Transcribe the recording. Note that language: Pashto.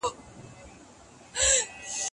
خلک څنګه یو له بل سره نښلي؟